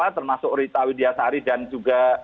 termasuk rita widyasari dan juga